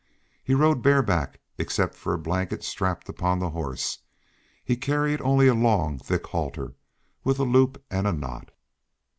He rode bareback except for a blanket strapped upon the horse; he carried only a long, thick halter, with a loop and a knot.